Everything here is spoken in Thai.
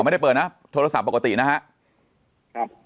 ไม่ได้เปิดนะโทรศัพท์ปกตินะครับ